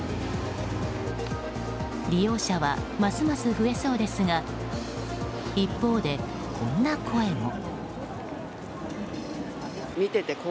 利用者はますます増えそうですが一方で、こんな声も。